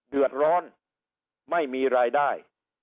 เดือดร้อนไม่มีรายได้